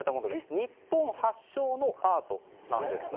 日本発祥のアートなんですね。